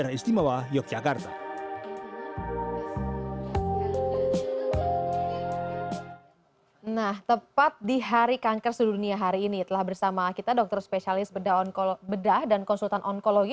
nah tepat di hari kanker sedunia hari ini telah bersama kita dokter spesialis bedah bedah dan konsultan onkologi